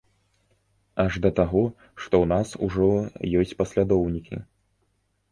Аж да таго, што ў нас ужо ёсць паслядоўнікі.